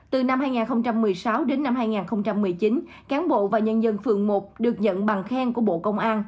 từ năm hai nghìn một mươi sáu đến năm hai nghìn một mươi chín cán bộ và nhân dân phường một được nhận bằng khen của bộ công an